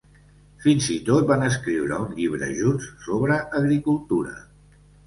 Fins i tot van escriure un llibre junts, sobre agricultura.